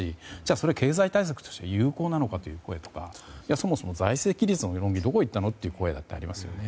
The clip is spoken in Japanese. それは経済対策として有効なのかという声やそもそも財政規律の議論はどこに行ったのという声もありますよね。